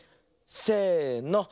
せの。